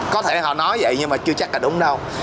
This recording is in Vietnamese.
có thể họ nói vậy nhưng mà chưa chắc là đúng đâu